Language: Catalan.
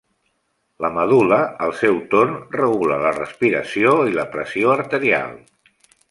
La medul·la, al seu torn, regula la respiració i la pressió arterial.